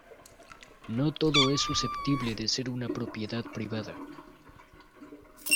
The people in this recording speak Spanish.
No todo es susceptible de ser una propiedad privada.